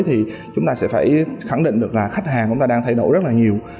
thì chúng ta sẽ phải khẳng định được là khách hàng cũng đang thay đổi rất nhiều